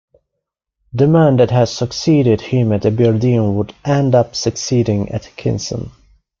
The man that had succeeded him at Aberdeen would end-up succeeding Atkinson.